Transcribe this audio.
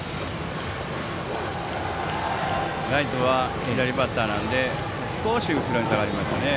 ライトは左バッターなので少し後ろに下がりましたね。